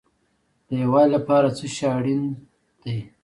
د یووالي لپاره څه شی اړین دی؟